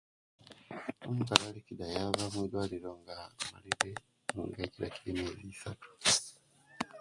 Omukyala alikida ayaba nwidwaliro nga amalire nga ekkida kiiri emiyezi misatu